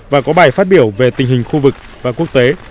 và có bài phát biểu về tình hình khu vực và quốc tế